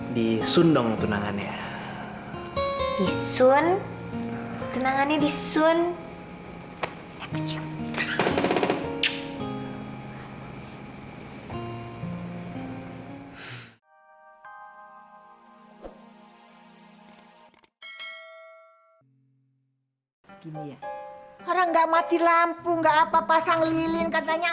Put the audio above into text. disun dong tunangannya